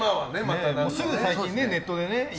すぐ最近、ネットでね。